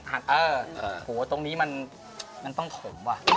เออโหตรงนี้มันต้องขมว่ะ